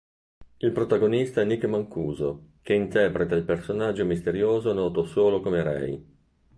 Il protagonista è Nick Mancuso che interpreta il personaggio misterioso noto solo come Ray.